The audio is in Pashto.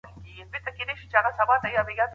هغه د جګړو يادونه کوي.